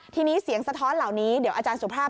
ทีนี้เสียงสะท้อนเหล่านี้เดี๋ยวอาจารย์สุภาพ